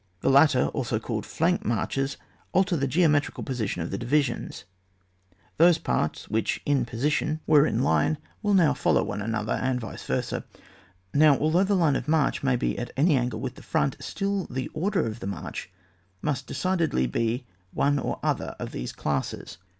The latter, also called flank marches, alter the geometrical position of the divisions ; those parts which, in position, were in CHAP. X.J MARCHES. 33 line, will follow one another, and viee wrta. Now, although the line of march may he at any angle with the front, still the order of the march must de cidedly be of one or other of these classes.